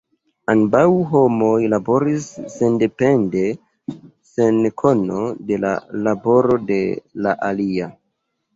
Ambaŭ homoj laboris sendepende sen kono de la laboro de la alia.